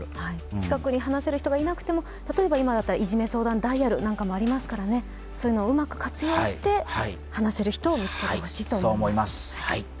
近くに話せる人がいなくても、今だったらいじめ相談ダイヤルとかもありますからそういうのをうまく活用して話せる人を見つけてほしいと思います。